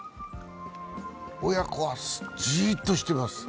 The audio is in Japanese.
親子はじーっとしてます。